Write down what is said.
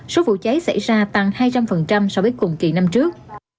số vụ cháy xảy ra tăng hai trăm linh so với cùng kỳ năm trước